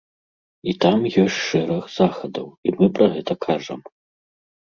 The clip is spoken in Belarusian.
І там ёсць шэраг захадаў, і мы пра гэта кажам.